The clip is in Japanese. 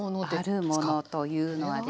あるものというのはですね